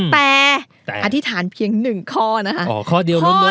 แต่อธิษฐานเพียงหนึ่งข้อนะคะอ๋อข้อเดียวล้วน